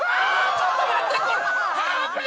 ちょっと待ってくれ！